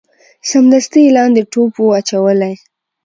سمدستي یې لاندي ټوپ وو اچولی